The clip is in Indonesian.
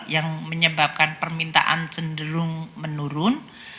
yang menyebabkan permintaan cenderung menurun